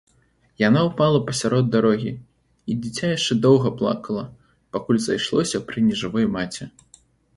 Яна ўпала пасярод дарогі, і дзіця яшчэ доўга плакала, пакуль зайшлося пры нежывой маці.